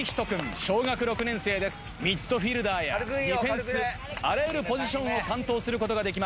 ミッドフィールダーやディフェンスあらゆるポジションを担当することができます。